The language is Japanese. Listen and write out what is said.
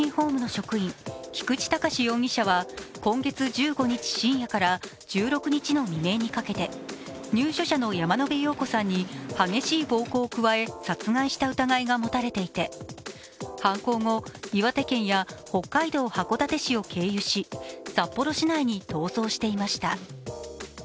職員菊池隆容疑者は今月１５日深夜から１６日の未明にかけて入所者の山野辺陽子さんに激しい暴行を加え殺害した疑いが持たれていて、犯行後、岩手県や北海道函館市を経由し札幌市内に逃走していました。